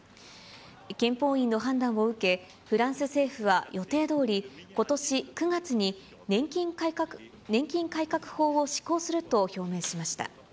憲法院の判断を受け、フランス政府は予定どおり、ことし９月に年金改革法を施行すると表明しました。